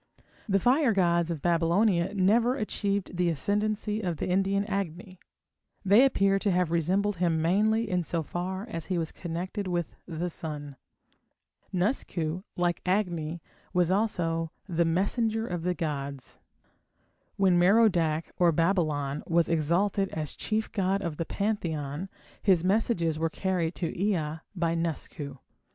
The fire gods of Babylonia never achieved the ascendancy of the Indian Agni; they appear to have resembled him mainly in so far as he was connected with the sun. Nusku, like Agni, was also the "messenger of the gods". When Merodach or Babylon was exalted as chief god of the pantheon his messages were carried to Ea by Nusku.